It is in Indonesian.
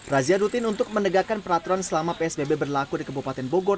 razia rutin untuk menegakkan peraturan selama psbb berlaku di kabupaten bogor